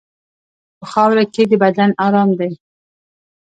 په خاوره کې د بدن ارام دی.